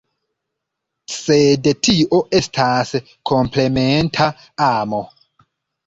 Sed tio estas komplementa amo.